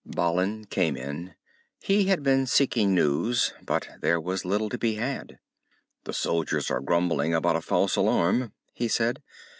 Balin came in. He had been seeking news, but there was little to be had. "The soldiers are grumbling about a false alarm," he said.